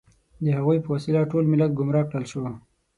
د هغوی په وسیله ټول ملت ګمراه کړل شو.